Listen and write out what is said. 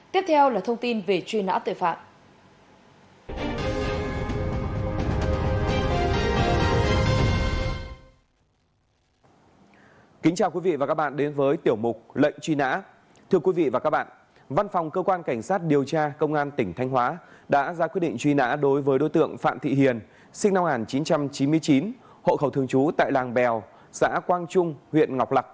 tiếp theo là thông tin về truy nã tội phạm